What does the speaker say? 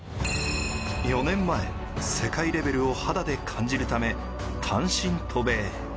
４年前、世界レベルを肌で感じるため単身渡米。